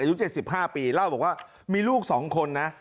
อายุ๗๕ปีเล่าบอกว่ามีลูก๒คนนะ